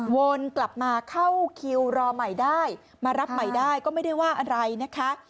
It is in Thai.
วนกลับมาเข้าคิวรอใหม่ได้มารับใหม่ได้ก็ไม่ได้ว่าอะไรนะคะ